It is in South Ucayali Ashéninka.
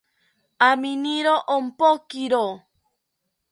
Aminiro ompokiro